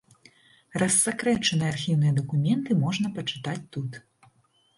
Рассакрэчаныя архіўныя дакументы можна пачытаць тут.